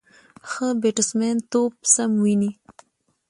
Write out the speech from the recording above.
ښه بیټسمېن توپ سم ویني.